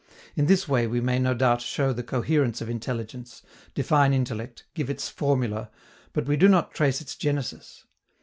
In this way we may no doubt show the coherence of intelligence, define intellect, give its formula, but we do not trace its genesis.